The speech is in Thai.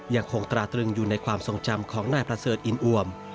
ยังคงตราตรึงอยู่ในความทรงจำของนายประเสริฐอินอวม